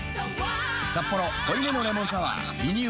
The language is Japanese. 「サッポロ濃いめのレモンサワー」リニューアル